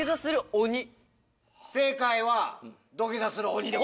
正解は「土下座する鬼」です。